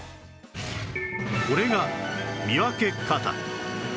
これが見分け方